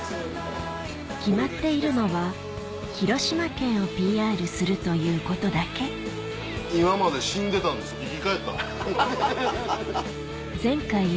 決まっているのは広島県をＰＲするということだけ今まで死んでたんです生き返った。